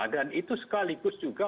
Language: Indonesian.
dan itu sekaligus juga